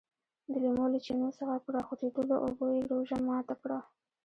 د لیمو له چینو څخه په راخوټېدلو اوبو یې روژه ماته کړه.